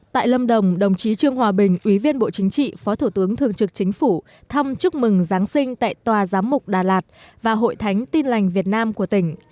tại lâm đồng đồng chí trương hòa bình ủy viên bộ chính trị phó thủ tướng thường trực chính phủ thăm chúc mừng giáng sinh tại tòa giám mục đà lạt và hội thánh tin lành việt nam của tỉnh